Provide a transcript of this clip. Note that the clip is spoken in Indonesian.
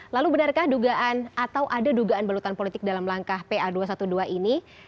lalu benarkah dugaan atau ada dugaan belutan politik dalam langkah pa dua ratus dua belas ini